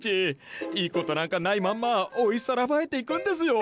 いいことなんかないまんま老いさらばえていくんですよ！